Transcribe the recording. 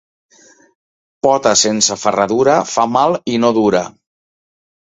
Pota sense ferradura fa mal i no dura.